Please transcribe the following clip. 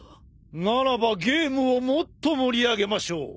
ならばゲームをもっと盛り上げましょう。